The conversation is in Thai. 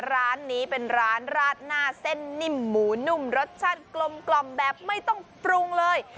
ร้านนี้เป็นร้านราดหน้าเส้นนิ่มหมูนุ่มรสชาติกลมแบบไม่ต้องปรุงเลย